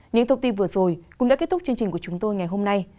những thông tin vừa rồi cũng đã kết thúc chương trình của chúng tôi ngày hôm nay